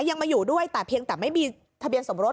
ยังมาอยู่ด้วยแต่เพียงแต่ไม่มีทะเบียนสมรส